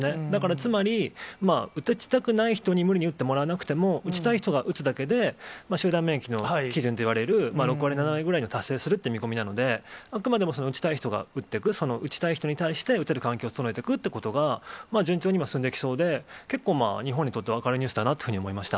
つまり打ちたくない人に無理に打ってもらわなくても、打ちたい人が打つだけで、集団免疫の基準といわれる６割、７割を達成するという見込みなので、あくまでも打ちたい人が打ってく、打ちたい人に対して打てる環境を整えていくということが、順調に進んでいきそうで、結構日本にとっては明るいニュースだなと思いました。